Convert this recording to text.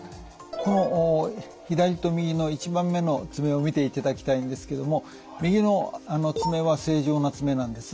この左と右の１番目の爪を見ていただきたいんですけども右の爪は正常な爪なんです。